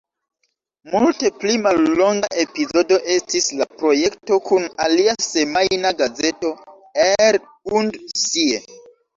Multe pli mallonga epizodo estis la projekto kun alia semajna gazeto, "Er und Sie.